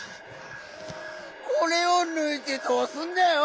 「これ」をぬいてどうすんだよ